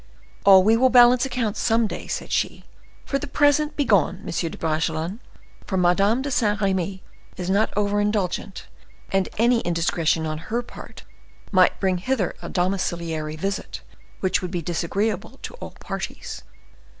"Oh, we will balance accounts some day," said she. "For the present, begone, M. de Bragelonne, for Madame de Saint Remy is not over indulgent; and any indiscretion on her part might bring hither a domiciliary visit, which would be disagreeable to all parties."